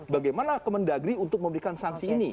bagaimana kementerian negeri untuk memberikan sanksi ini